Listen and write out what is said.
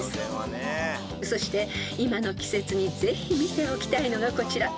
［そして今の季節にぜひ見ておきたいのがこちら］